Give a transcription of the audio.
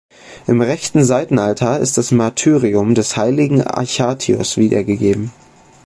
Im rechten Seitenaltar ist das Martyrium des heiligen Achatius wiedergegeben.